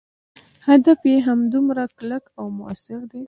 هدف یې همدومره کلک او موثر دی.